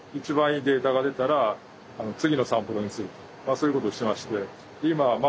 そういうことをしてまして。